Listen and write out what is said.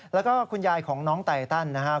แล้วก็คุณยายของน้องไตตันนะครับ